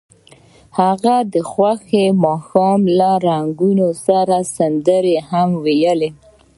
هغوی د خوښ ماښام له رنګونو سره سندرې هم ویلې.